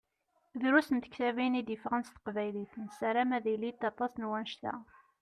Drus n tektabin i d-yeffɣen s teqbaylit, nessaram ad ilint aṭas n wannect-a.